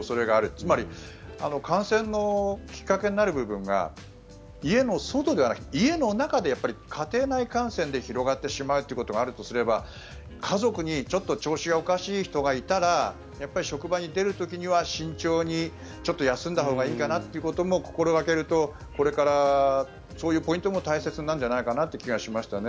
つまり感染のきっかけになる部分が家の外ではなくて家の中で家庭内感染で広がってしまうということがあるとすれば家族にちょっと調子がおかしい人がいたら職場に出る時には慎重に休んだほうがいいかなということも心掛けるとこれからそういうポイントも必要なんじゃないかなという気がしますね。